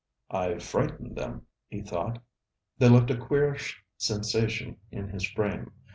'I've frightened them,' he thought. They left a queerish sensation in his frame.